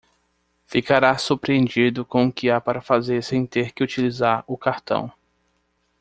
Ficará surpreendido com o que há para fazer sem ter que utilizar o cartão.